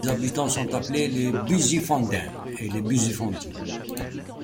Ses habitants sont appelés les Bauzifontins et les Bauzifontines.